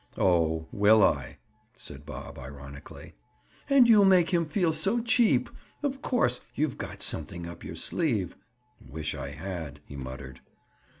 "Oh, will I?" said Bob ironically. "And you'll make him feel so cheap! Of course, you've got something up your sleeve—" "Wish I had," he muttered.